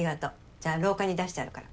じゃあ廊下に出してあるから。